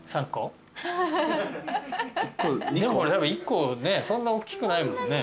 １個ねそんなおっきくないもんね。